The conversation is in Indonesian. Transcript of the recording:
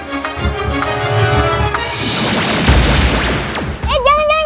jangan jangan jangan